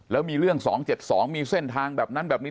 แล้วมีเรื่อง๒๗๒มีเส้นทางแบบนั้นแบบนี้